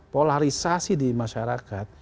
polarisasi di masyarakat